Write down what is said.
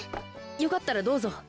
よかったらどうぞ。